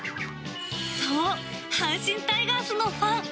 そう、阪神タイガースのファン。